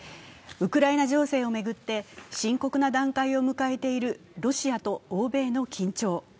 ウクライナ情勢を巡って深刻な段階を迎えているロシアと欧米の緊張。